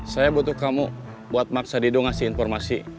saya butuh kamu buat maksa dido ngasih informasi